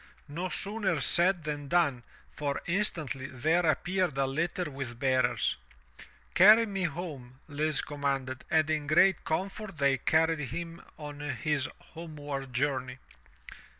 No sooner said than done, for instantly there appeared a Utter with bearers. *' Carry me home,'* Lise commanded, and in great comfort they carried him on his homeward journey.